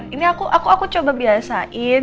ini aku coba biasain